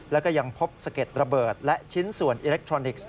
แล้วก็ยังพบสะเก็ดระเบิดและชิ้นส่วนอิเล็กทรอนิกส์